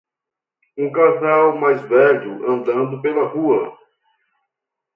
Um casal mais velho andando pela rua.